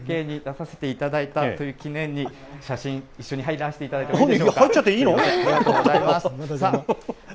では最後に、一緒に中継に出させていただいたという記念に写真、一緒に入らしていただいていいでしょうか。